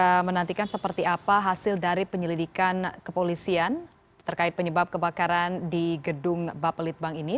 kita menantikan seperti apa hasil dari penyelidikan kepolisian terkait penyebab kebakaran di gedung bapelitbang ini